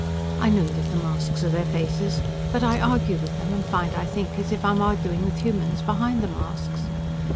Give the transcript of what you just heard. I know that the masks are their faces, but I argue with them and find I think as if I am arguing with humans behind the masks.